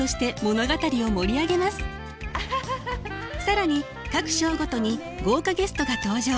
更に各章ごとに豪華ゲストが登場。